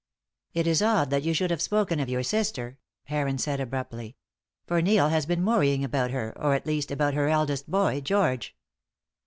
"It is odd that you should have spoken of your sister," Heron said, abruptly, "for Neil has been worrying about her, or, at least, about her eldest boy, George."